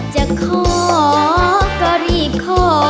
จะขอก็รีบขอ